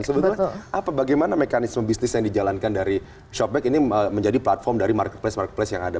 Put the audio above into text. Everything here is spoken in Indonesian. sebetulnya bagaimana mekanisme bisnis yang dijalankan dari shopbek ini menjadi platform dari marketplace marketplace yang ada